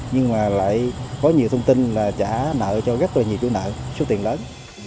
nhưng mà lại có nhiều thông tin là trả nợ cho rất là nhiều chủ nợ số tiền lớn